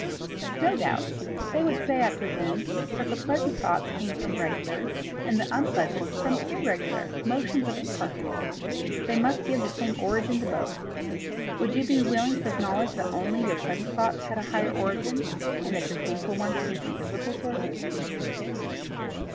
"No doubt. They would say, I presume, that the pleasant thoughts come from regular, and the unpleasant from irregular motions of its particles. They must give the same origin to both. Would you be willing to acknowledge that only your pleasant thoughts had a higher origin, and that your painful ones came from physical sources?"